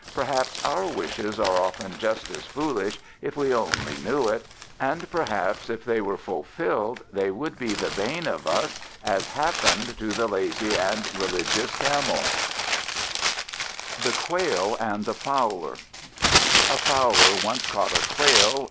Perhaps our wishes are often just as foolish, if we only knew it; and perhaps if they were fulfilled they would be the bane of us, as happened to the lazy and religious Camel. The Quail and the Fowler A FOWLER once caught a Quail.